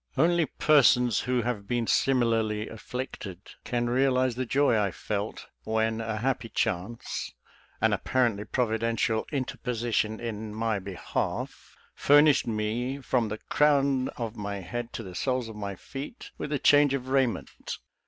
Only persons who have been similarly afflicted can realize the joy I felt when a happy chance — an apparently providential interposition in my behalf — furnished me, from the crown of my head to the soles of my feet, with a change of raiment.